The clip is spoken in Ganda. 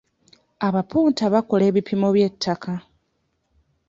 Abapunta bakola ebipimo by'ettaka.